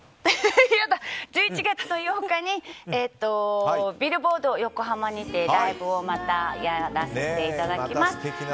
１１月８日にビルボード横浜にてライブをまたやらせていただきます。